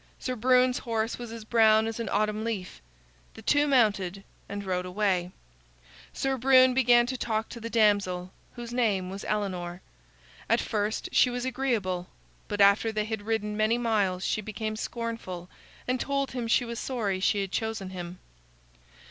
Sir Brune's horse was as brown as an autumn leaf. The two mounted and rode away. Sir Brune began to talk to the damsel, whose name was Elinor. At first she was agreeable, but after they had ridden many miles she became scornful, and told him she was sorry she had chosen him.